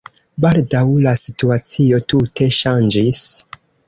Baldaŭ la situacio tute ŝanĝis.